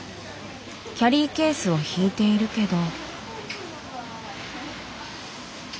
キャリーケースを引いているけど。